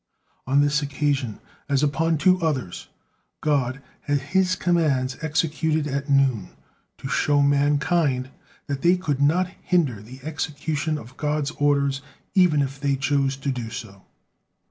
On this occasion, as upon two others, God had His commands executed at noon to show mankind that they could not hinder the execution of God's orders, even if they chose to do so.